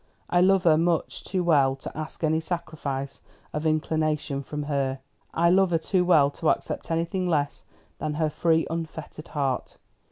I love her much too well to ask any sacrifice of inclination from her. I love her too well to accept anything less than her free unfettered heart.